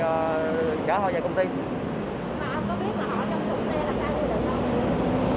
mà ông có biết là họ trong thùng xe làm sao để được xe